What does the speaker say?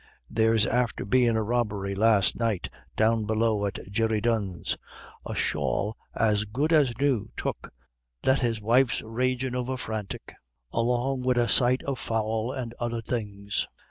There's after bein' a robbery last night, down below at Jerry Dunne's a shawl as good as new took, that his wife's ragin' over frantic, along wid a sight of fowl and other things.